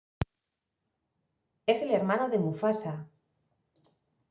Es el hermano de Mufasa.